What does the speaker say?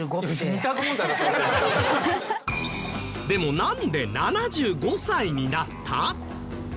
でもなんで７５歳になった？